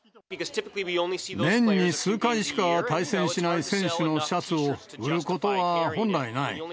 年に数回しか対戦しない選手のシャツを売ることは、本来ない。